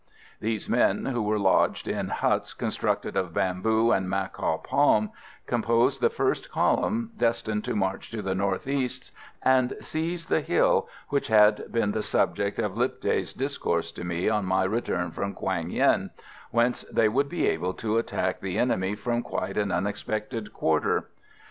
These men, who were lodged in huts constructed of bamboo and macaw palm, composed the first column, destined to march to the north east and seize the hill, which had been the subject of Lipthay's discourse to me on my return from Quang Yen, whence they would be able to attack the enemy from quite an unexpected quarter.